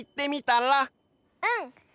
うん！